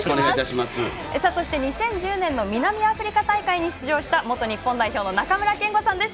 ２０１０年の南アフリカ大会に出場した元日本代表の中村憲剛さんです。